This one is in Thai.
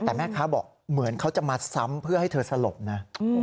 แต่แม่ค้าบอกเหมือนเขาจะมาซ้ำเพื่อให้เธอสลบนะ